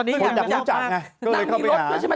ตอนนี้อยากรู้จักไงก็เลยเข้าไปหา